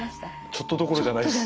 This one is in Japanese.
ちょっとじゃないです。